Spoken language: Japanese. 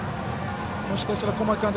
もしかしたら、小牧監督